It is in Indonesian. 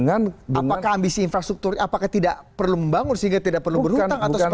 apakah ambisi infrastruktur apakah tidak perlu membangun sehingga tidak perlu berkenan